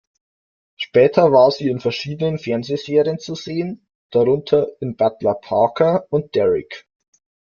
Später war sie in verschiedenen Fernsehserien zu sehen, darunter in "Butler Parker" und "Derrick".